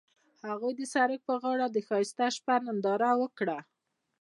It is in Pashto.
هغوی د سړک پر غاړه د ښایسته شپه ننداره وکړه.